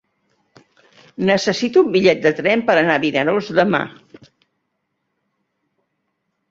Necessito un bitllet de tren per anar a Vinaròs demà.